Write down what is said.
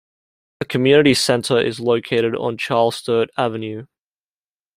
A community centre is located on Charles Sturt Avenue.